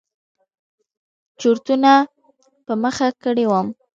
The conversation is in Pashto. چورتونو په مخه کړى وم.